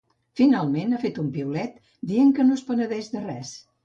Finalment, ha fet un piulet dient que no es penedeix de res.